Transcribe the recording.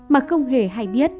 mà không hề hay biết